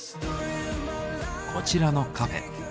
こちらのカフェ。